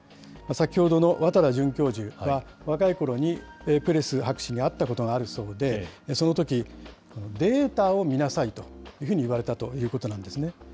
先ほどの綿田准教授は、若いころにプレス博士に会ったことがあるそうで、そのとき、データを見なさいというふうに言われたということなんですね。